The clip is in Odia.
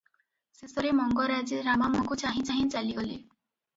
ଶେଷରେ ମଙ୍ଗରାଜେ ରାମା ମୁହକୁ ଚାହିଁ ଚାହିଁ ଚାଲିଗଲେ ।